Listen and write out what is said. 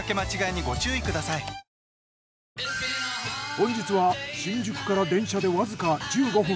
本日は新宿から電車でわずか１５分。